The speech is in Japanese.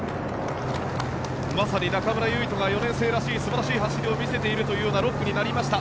まさに中村唯翔が４年生らしい素晴らしい走りを見せている６区になりました。